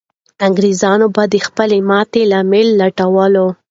انګریزان به د خپلې ماتې لامل لټوله.